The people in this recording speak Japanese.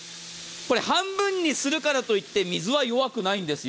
半分にするからといって水は弱くないんです。